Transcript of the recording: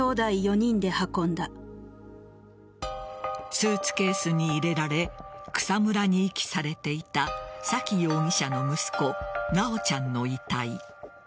スーツケースに入れられ草むらに遺棄されていた沙喜容疑者の息子修ちゃんの遺体。